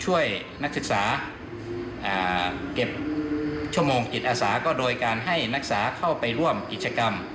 ช่วยนักศึกษาเก็บชั่วโมงจิตอาสาก็โดยการให้นักศึกษาเข้าไปร่วมกิจกรรม